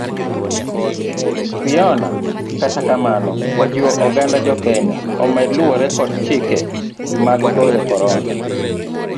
Fiona kata kamano ojiwo oganda jokenya jomed luwore kod chike mag gayo corona.